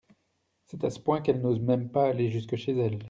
C'est à ce point qu'elle n'ose même pas aller jusque chez elle.